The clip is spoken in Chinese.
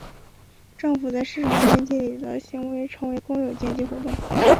政府在市场经济里的行为称为公有经济活动。